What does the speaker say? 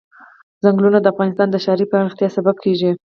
ځنګلونه د افغانستان د ښاري پراختیا سبب کېږي.